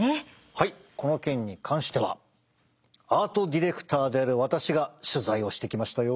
はいこの件に関してはアートディレクターである私が取材をしてきましたよ。